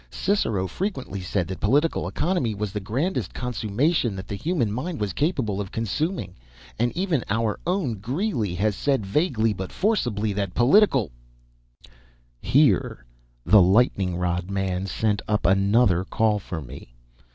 Cicero frequently said that political economy was the grandest consummation that the human mind was capable of consuming; and even our own Greeley had said vaguely but forcibly that "Political [Here the lightning rod man sent up another call for me.